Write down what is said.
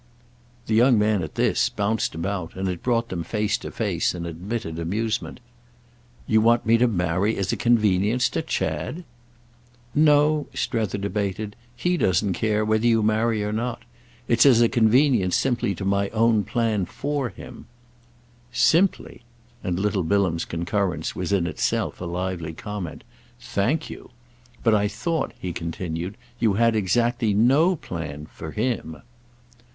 The young man, at this, bounced about, and it brought them face to face in admitted amusement. "You want me to marry as a convenience to Chad?" "No," Strether debated—"he doesn't care whether you marry or not. It's as a convenience simply to my own plan for him." "'Simply'!"—and little Bilham's concurrence was in itself a lively comment. "Thank you. But I thought," he continued, "you had exactly no plan 'for' him."